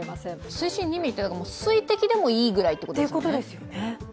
水深２ｍｍというのは水滴でもいいぐらいということですよね。